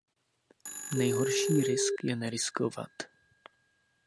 Nejhorší risk je neriskovat.